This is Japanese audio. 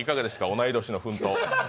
同い年の奮闘。